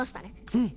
うん。